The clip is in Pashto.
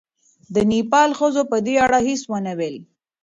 د نېپال ښځو په دې اړه هېڅ ونه ویل.